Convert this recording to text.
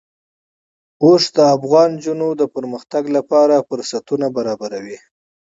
اوښ د افغان نجونو د پرمختګ لپاره فرصتونه برابروي.